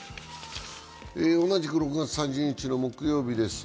同じく６月３０日木曜日です。